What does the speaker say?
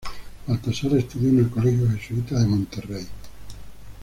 Baltasar estudió en el colegio jesuita de Monterrey.